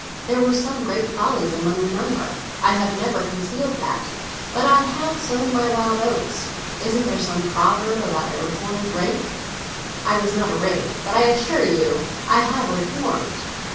There were some great follies among the number—I have never concealed that. But I have sown my wild oats. Isn't there some proverb about a reformed rake? I was not a rake, but I assure you I have reformed.